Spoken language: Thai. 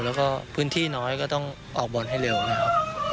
แล้วก็พื้นที่น้อยก็ต้องออกบอลให้เร็วนะครับ